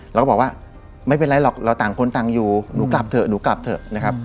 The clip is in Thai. เราก็บอกว่าไม่เป็นไรหรอกเราต่างคนต่างอยู่หนูกลับเถอะหนูกลับเถอะนะครับ